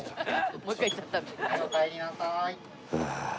おかえりなさい。